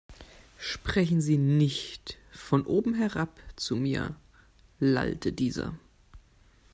Sprechen Sie nicht von oben herab zu mir, lallte dieser.